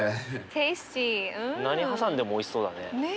何挟んでもおいしそうだね。